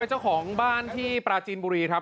เจ้าของบ้านที่ปราจีนบุรีครับ